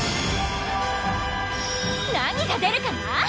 何が出るかな？